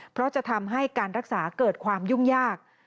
เพราะจะทำให้การรักษาเกิดความยุ่งยาก